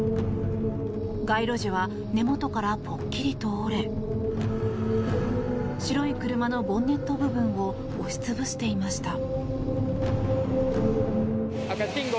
街路樹は根元からぽっきりと折れ白い車のボンネット部分を押し潰していました。